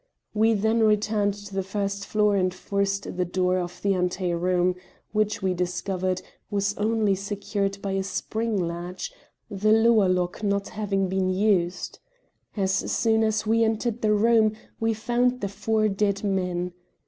We then returned to the first floor and forced the door of the ante room, which, we discovered, was only secured by a spring latch, the lower lock not having been used. As soon as we entered the room, we found the four dead men.